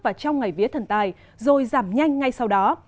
và trong ngày vía thần tài rồi giảm nhanh ngay sau đó